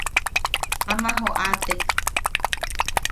Ama joʼatek.